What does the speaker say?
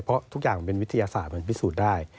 เพราะทุกอย่างมันเป็นวิทยาศาสตร์มันพิสูจน์ได้